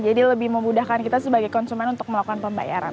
jadi lebih memudahkan kita sebagai konsumen untuk melakukan pembayaran